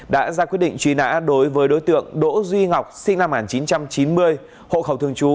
đã ra quyết định truy nã đối với đối tượng đỗ duy ngọc sinh năm một nghìn chín trăm chín mươi hộ khẩu thường trú